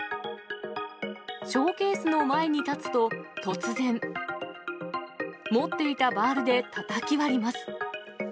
ショーケースの前に立つと、突然、持っていたバールでたたき割ります。